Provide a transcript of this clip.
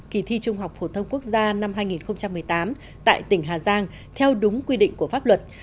kỳ thi trung học phổ thông quốc gia năm hai nghìn một mươi tám tại tỉnh hà giang theo đúng quy định của pháp luật